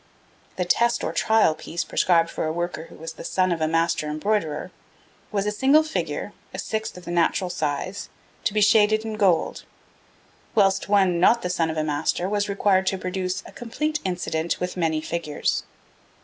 The test or trial piece prescribed for a worker who was the son of a master embroiderer was 'a single figure, a sixth of the natural size, to be shaded in gold'; whilst one not the son of a master was required to produce 'a complete incident with many figures.'